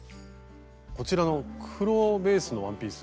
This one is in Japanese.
こちらの黒ベースのワンピース。